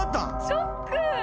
ショック！